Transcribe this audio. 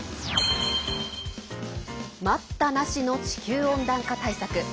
待ったなしの地球温暖化対策。